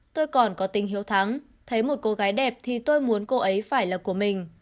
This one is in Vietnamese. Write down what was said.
tôi còn có tình hiếu thắng thấy một cô gái đẹp thì tôi muốn cô ấy phải là của mình